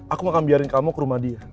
aku makan biarin kamu ke rumah dia